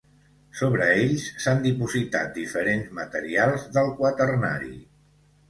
Sobre ells s'han dipositat diferents materials del Quaternari.